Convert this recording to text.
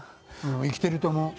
うん生きてると思う。